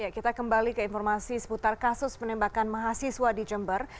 kita kembali ke informasi seputar kasus penembakan mahasiswa di jember